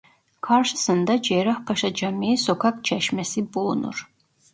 Karşısında Cerrahpaşa Camii Sokak Çeşmesi bulunur.